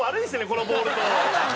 このボールと。